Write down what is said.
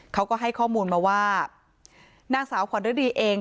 เขาก็ให้ข้อมูลมาว่านางสาวขวัญฤดีเอง